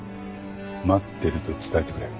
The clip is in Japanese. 待ってると伝えてくれ。